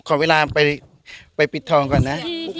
ขอเวลาไปปิดทองก่อนนะ